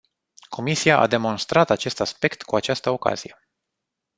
Comisia a demonstrat acest aspect cu această ocazie.